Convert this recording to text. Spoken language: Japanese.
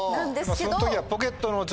その時は。